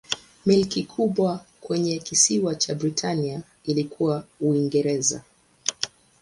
Milki kubwa kwenye kisiwa cha Britania ilikuwa Uingereza.